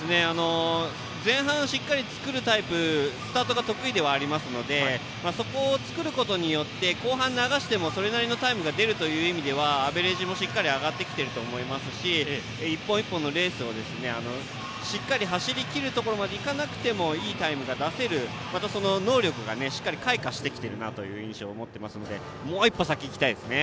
前半しっかり作るタイプでスタートが得意ではありますのでそこを作ることで後半、流してもそれなりのタイムが出るという意味ではアベレージもしっかりと上がってきていると思いますし１本１本のレースをしっかり走り切るところまで行かなくてもいいタイムが出せるまた、その能力がしっかり開花している印象を持っていますのでもう一歩先に行きたいですね。